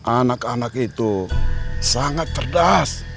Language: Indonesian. anak anak itu sangat cerdas